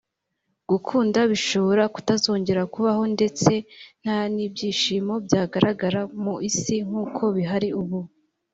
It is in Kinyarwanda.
gukunda bishobora kutazongera kubaho ndetse nta n’ibyishimo byagaragara mu isi nk’uko bihari ubu